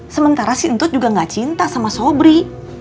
sementara si entut juga gak cinta sama sobri